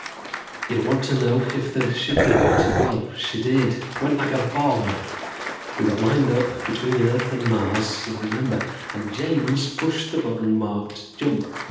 "You'll want to know if the ship worked. Well, she did. Went like a bomb. We got lined up between Earth and Mars, you'll remember, and James pushed the button marked 'Jump'.